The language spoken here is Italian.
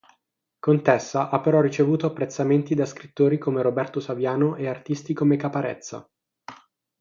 Contessa ha però ricevuto apprezzamenti da scrittori come Roberto Saviano e artisti come Caparezza.